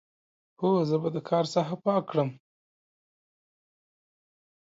هو، زه به د کار ساحه پاک کړم.